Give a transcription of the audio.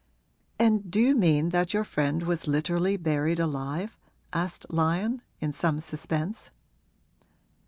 'And do you mean that your friend was literally buried alive?' asked Lyon, in some suspense.